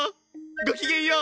ごきげんよう！